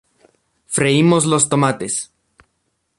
Freímos los tomates.